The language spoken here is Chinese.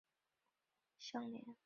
腮盖膜与峡部相连。